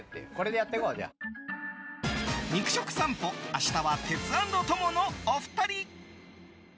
肉食さんぽ、明日はテツａｎｄトモのお二人。